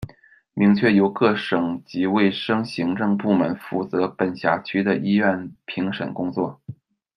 明确由各省级卫生行政部门负责本辖区的医院评审工作。